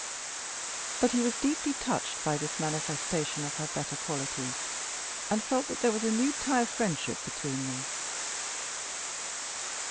But he was deeply touched by this manifestation of her better qualities, and felt that there was a new tie of friendship between them.